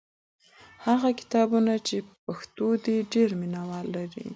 هغه کتابونه چې په پښتو دي ډېر مینه وال لري.